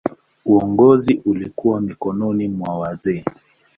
Uongozi ulikuwa mikononi mwa wazee.